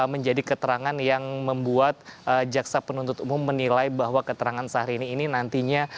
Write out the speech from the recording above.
menjadi keterangan yang membuat jaksa penuntut umum menilai bahwa keterangan syahrini ini nantinya